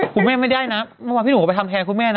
คุณแม่ไม่ได้นะเมื่อวานพี่หนูก็ไปทำแทนคุณแม่นะ